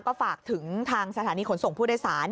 ก็ฝากถึงทางสถานีขนส่งผู้โดยสาร